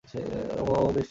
ওহ, ও বেশ শক্তিশালী।